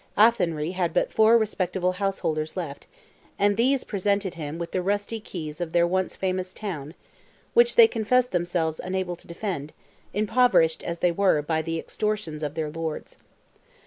Athenry had but four respectable householders left, and these presented him with the rusty keys of their once famous town, which they confessed themselves unable to defend, impoverished as they were by the extortions of their lords.